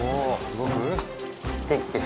動く？